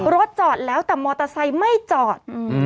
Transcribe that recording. รถจอดแล้วแต่มอเตอร์ไซค์ไม่จอด